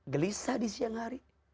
gelisah di siang hari